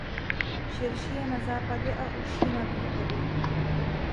Širší je na západě a užší na východě.